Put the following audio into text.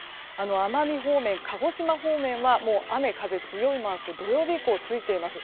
奄美方面鹿児島方面は雨風が強いマーク土曜日以降、ついています。